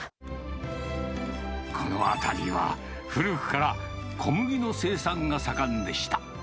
この辺りは、古くから小麦の生産が盛んでした。